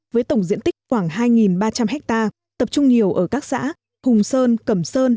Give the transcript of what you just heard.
với tổng diện tích khoảng hai ba trăm linh ha tập trung nhiều ở các xã hùng sơn cẩm sơn